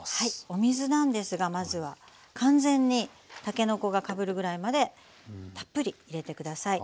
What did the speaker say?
お水なんですがまずは完全にたけのこがかぶるぐらいまでたっぷり入れてください。